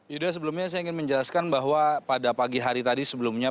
yuda sebelumnya saya ingin menjelaskan bahwa pada pagi hari tadi sebelumnya